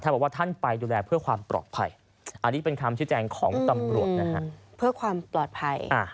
ผู้บังคับว่าท่านไปยูแลเพื่อความปลอดภัยอันนี้เป็นคำชื่อแจงของตำรวจ